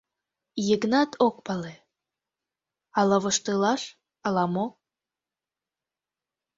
Йыгнат ок пале — ала воштылаш, ала мо.